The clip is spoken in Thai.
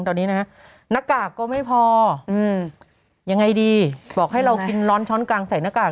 ตอนนี้นะฮะหน้ากากก็ไม่พออืมยังไงดีบอกให้เรากินร้อนช้อนกลางใส่หน้ากาก